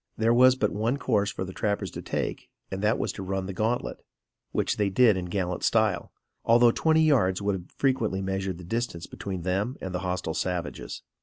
There was but one course for the trappers to take and that was to run the gauntlet, which they did in gallant style, although twenty yards would have frequently measured the distance between them and the hostile savages.